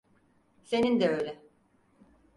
Senin de öyle.